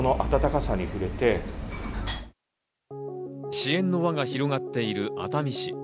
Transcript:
支援の輪が広がっている熱海市。